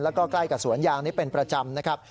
แล้วก็ใกล้กับสวนยางเป็นประจำ